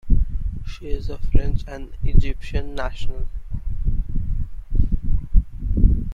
She is a French and Egyptian national.